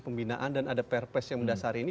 pembinaan dan ada perpres yang mendasari ini